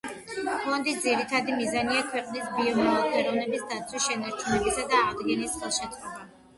ფონდის ძირითადი მიზანია ქვეყნის ბიომრავალფეროვნების დაცვის, შენარჩუნებისა და აღდგენის ხელშეწყობა.